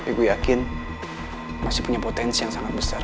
biar gue bisa nutupin keuangan perusahaan